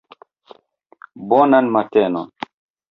Bonan matenon.